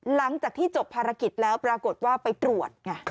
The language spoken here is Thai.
หลังจากที่จบภารกิจแล้วปรากฏว่าไปตรวจไง